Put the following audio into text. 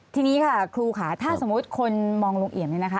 ทีนี้ค่ะครูค่ะถ้าสมมุติคนมองลุงเอี่ยมเนี่ยนะคะ